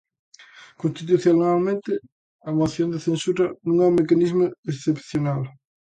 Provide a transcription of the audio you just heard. Constitucionalmente a moción de censura non é un mecanismo excepcional.